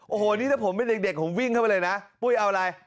โอ้โหนี่ถ้าผมเป็นเด็กผมวิ่งเข้าไปเลยนะปุ้ยเอาอะไร